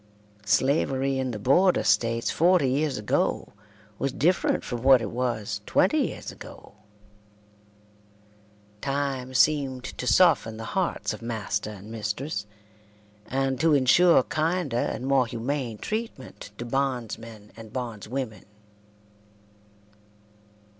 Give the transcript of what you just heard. Slavery in the Border States forty years ago was different from what it was twenty years ago. Time seemed to soften the hearts of master and mistress, and to insure kinder and more humane treatment to bondsmen and bondswomen.